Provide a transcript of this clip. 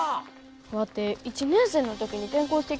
ワテ１年生の時に転校してきたやろ？